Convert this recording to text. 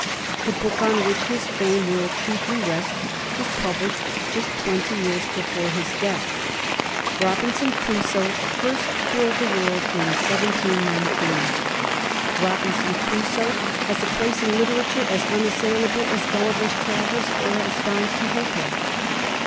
The book on which his fame will chief ly rest was published just twenty years before his death. " Robinson Crusoe " first thrilled the world in 1 7 1 9. " Rob inson Crusoe " has a place in literature as unassailable as " Gulliver's Travels " or as " Don Quixote."